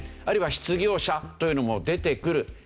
あるいは失業者というのも出てくる。